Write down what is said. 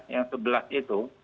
yang sebelah itu